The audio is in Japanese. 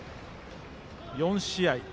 ４試合。